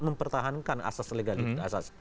mempertahankan asas legalitas